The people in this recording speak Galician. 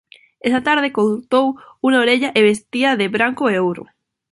Esa tarde cortou unha orella e vestía de branco e ouro.